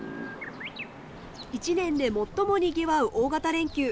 一年で最もにぎわう大型連休。